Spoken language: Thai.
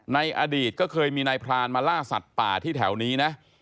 ในอดีตก็เคยมีนายพรานมาล่าสัตว์ป่าที่แถวนี้นะ